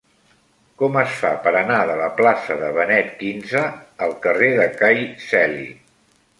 Com es fa per anar de la plaça de Benet XV al carrer de Cai Celi?